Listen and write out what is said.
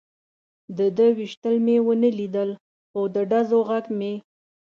د ده وېشتل مې و نه لیدل، خو د ډزو غږ مې.